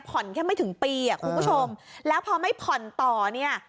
แค่ไม่ถึงปีอ่ะคุณผู้ชมแล้วพอไม่ผ่อนต่อเนี่ย